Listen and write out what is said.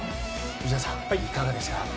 内田さん、いかがですか？